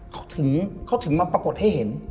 เขาถึงมาปรากฏให้เห็น